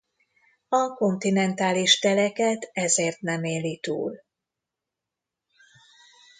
A kontinentális teleket ezért nem éli túl.